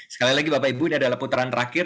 sekali lagi bapak ibu ini adalah putaran terakhir